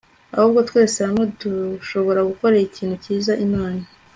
ariko twese hamwe dushobora gukorera ikintu cyiza imana